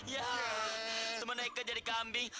ya teman eike jadi kambing